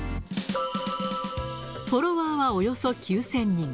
フォロワーはおよそ９０００人。